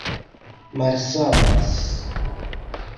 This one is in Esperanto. malsamas